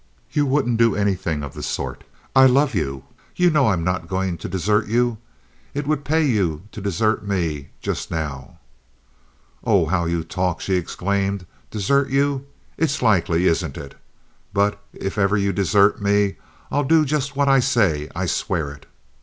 You wouldn't do anything of the sort. I love you. You know I'm not going to desert you. It would pay you to desert me just now." "Oh, how you talk!" she exclaimed. "Desert you! It's likely, isn't it? But if ever you desert me, I'll do just what I say. I swear it."